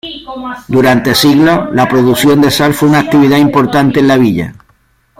Durante siglos, la producción de sal fue una actividad importante en la villa.